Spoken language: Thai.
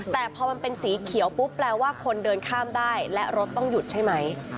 แต่พอมันเป็นสีเขียวปุ๊บแปลว่าคนเดินข้ามได้และรถต้องหยุดใช่ไหม